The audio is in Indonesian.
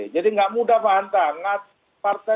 jadi nggak mudah pak hanta